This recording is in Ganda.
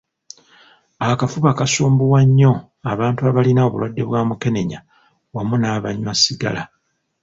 Akafuba kasumbuwa nnyo abantu abalina obulwadde bwa mukenenya wamu n'abanywa sigala